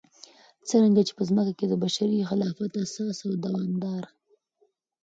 څرنګه چې په ځمكه كې دبشري خلافت اساس او دارمدار